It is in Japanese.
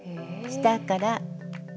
下から上。